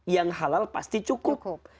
yang halal pasti cukup